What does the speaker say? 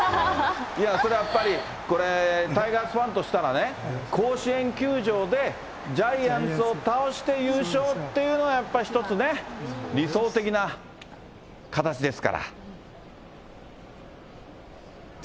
それやっぱり、これタイガースファンとしたらね、甲子園球場で、ジャイアンツを倒して優勝っていうのがやっぱり、一つね、理想的な形ですから。